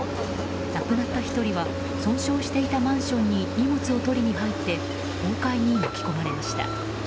亡くなった１人は、損傷していたマンション荷物を取りに入って崩壊に巻き込まれました。